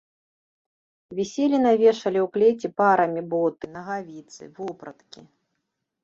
Віселі на вешале ў клеці парамі боты, нагавіцы, вопраткі.